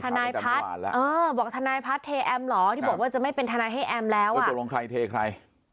ธนายพลัดเอ้อบอกธนายพลัดเทหรอที่บอกว่าจะไม่เป็นทันนายให้แอมแล้วอะแต่ตกลงใครเทใคร